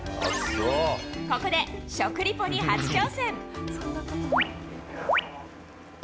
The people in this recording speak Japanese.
ここで、食リポに初挑戦。